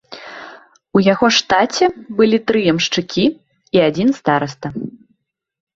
У яго штаце былі тры ямшчыкі і адзін стараста.